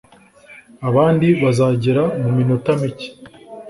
Abandi bazagera muminota mike.